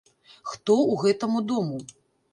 Хто ў гэтаму дому!